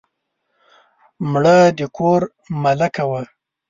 مړه د کور ملکه وه